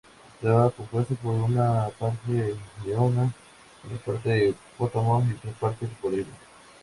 Estaba compuesto por una parte leona, una parte hipopótamo y otra parte cocodrilo.